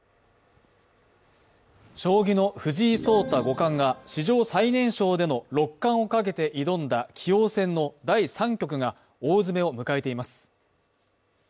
将棋の藤井聡太五冠が史上最年少での六冠をかけて挑んだ棋王戦の第３局が大詰めを迎えています。